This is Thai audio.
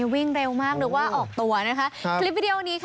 วิ่งเก่งอีก